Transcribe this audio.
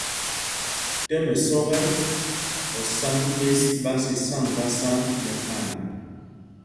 Tɛ́m ɛsɔ́k ɛ, osǎŋg ɓes ɓá sisá mgbásá nɛ phan.